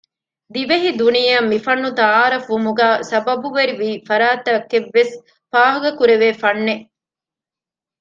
ދިވެހި ދުނިޔެއަށް މިފަންނު ތަޢާރުފްވުމުގައި ސަބަބުވެރިވީ ފަރާތްތަކެއްވެސް ފާހަގަކުރެވޭ ފަންނެއް